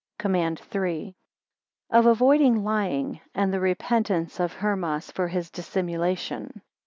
COMMAND III. Of avoiding lying, and the repentance of Hermas for his dissimulation.